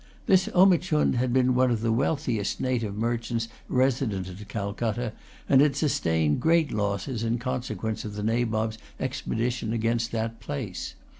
This Omichund had been one of the wealthiest native merchants resident at Calcutta, and had sustained great losses in consequence of the Nabob's expedition against that place.